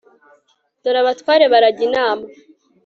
dore abatware barajya inama